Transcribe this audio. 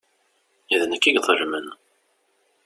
D nekk i iḍelmen.